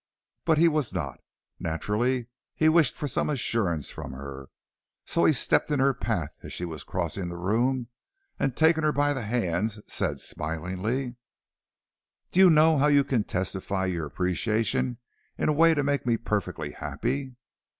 But he was not; naturally he wished for some assurance from her; so he stepped in her path as she was crossing the room, and, taking her by the hands, said, smilingly: "Do you know how you can testify your appreciation in a way to make me perfectly happy?"